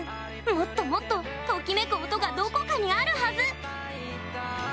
もっともっとときめく音がどこかにあるはず！